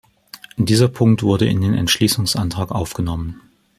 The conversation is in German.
Dieser Punkt wurde in den Entschließungsantrag aufgenommen.